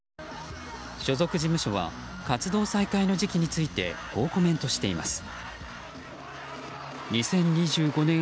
所属事務所は活動再開の時期についてこうコメントしています。